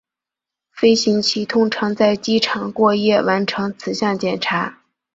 飞行器通常在机场过夜完成此项检查。